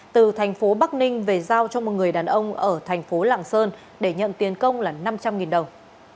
từ thành phố bắc ninh về giao cho một người đàn ông ở thành phố lạng sơn để nhận tiền công là năm trăm linh đồng